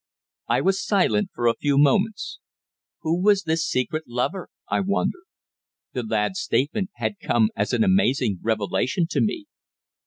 I was silent for a few moments. Who was this secret lover, I wondered? The lad's statement had come as an amazing revelation to me.